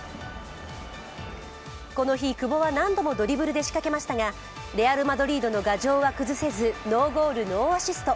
この日、久保は何度もドリブルで仕掛けましたがレアル・マドリードの牙城は崩せずノーゴール・ノーアシスト。